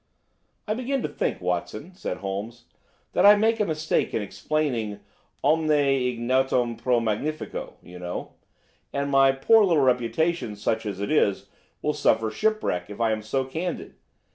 "I begin to think, Watson," said Holmes, "that I make a mistake in explaining. 'Omne ignotum pro magnifico,' you know, and my poor little reputation, such as it is, will suffer shipwreck if I am so candid.